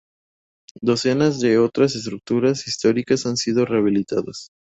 Docenas de otras estructuras históricas han sido rehabilitadas.